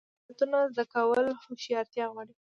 مهارتونه زده کول هوښیارتیا غواړي.